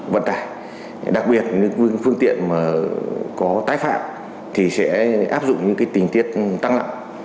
vận tải đặc biệt những phương tiện có tái phạm thì sẽ áp dụng những tình tiết tăng nặng